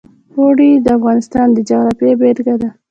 اوړي د افغانستان د جغرافیې بېلګه ده.